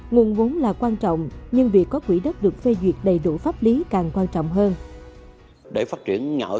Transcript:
nguồn vốn là quan trọng nhưng việc có quỹ đất được phê duyệt đầy đủ pháp lý càng quan trọng hơn